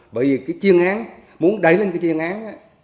bởi vì cái chuyên án muốn đẩy lên cái chuyên án